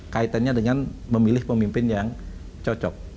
kaitannya dengan memilih pemimpin yang cocok